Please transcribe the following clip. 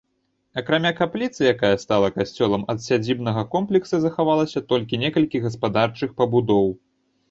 Акрамя капліцы якая стала касцёлам, ад сядзібнага комплекса захавалася толькі некалькі гаспадарчых пабудоў.